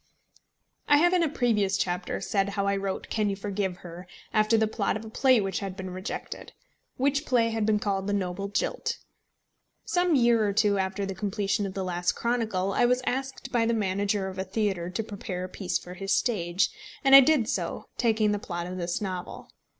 I have in a previous chapter said how I wrote Can You Forgive Her? after the plot of a play which had been rejected, which play had been called The Noble Jilt. Some year or two after the completion of The Last Chronicle, I was asked by the manager of a theatre to prepare a piece for his stage, and I did so, taking the plot of this novel.